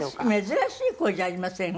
珍しい声じゃありません？